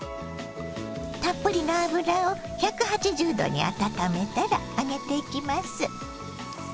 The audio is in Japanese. たっぷりの油を１８０℃に温めたら揚げていきます。